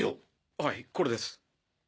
はいこれです。